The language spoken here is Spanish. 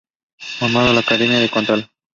Formado en la Academia Cantolao.